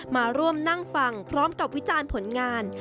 มาร่วมนั่งฟังพร้อมกับวิจารณ์ผลงาน